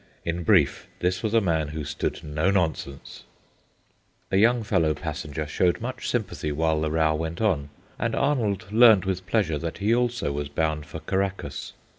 In brief, this was a man who stood no nonsense. A young fellow passenger showed much sympathy while the row went on, and Arnold learned with pleasure that he also was bound for Caraccas.